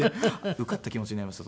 受かった気持ちになりました